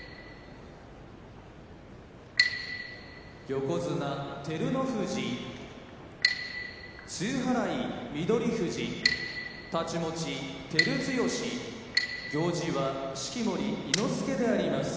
横綱照ノ富士露払い翠富士太刀持ち照強行司は式守伊之助であります。